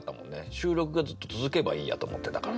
収録がずっと続けばいいやと思ってたから。